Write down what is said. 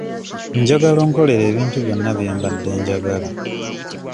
Njagala onkolere ebintu byonna bye mbadde njagala.